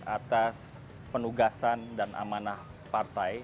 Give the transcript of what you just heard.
atas penugasan dan amanah partai